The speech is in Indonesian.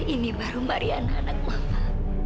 ini baru mariana anak mama